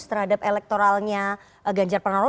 terhadap elektoralnya ganjar pernaro